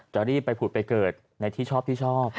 จะรีบไปผูดไปเกิดในที่ชอบ